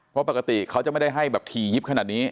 เพราะปกติเขาจะไม่ได้ให้แบบถี่ยิบขนาดนี้